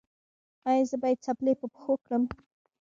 ایا زه باید څپلۍ په پښو کړم؟